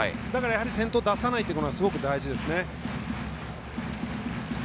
先頭、出さないということがすごく大事ですね。